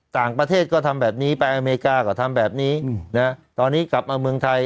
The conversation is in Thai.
ต่างประเทศก็ทำแบบนี้ไปอเมริกาก็ทำแบบนี้นะตอนนี้กลับมาเมืองไทย